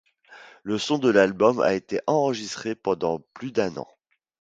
Le son de l'album a été enregistré pendant plus d'un an.